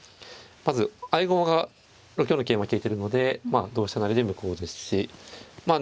まず合駒が６四の桂馬利いてるのでまあ同飛車成で無効ですしまあ